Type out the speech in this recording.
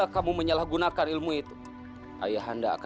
kenapa sih ayahanda